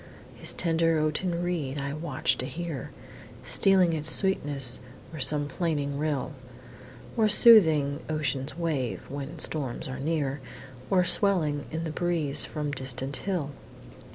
His tender oaten reed I watch to hear, Stealing its sweetness o'er some plaining rill, Or soothing ocean's wave, when storms are near, Or swelling in the breeze from distant hill!